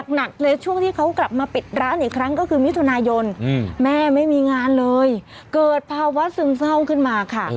หนักเลยช่วงที่เขากลับมาปิดร้านอีกครั้งก็คือมิถุนายนแม่ไม่มีงานเลยเกิดภาวะซึมเศร้าขึ้นมาค่ะ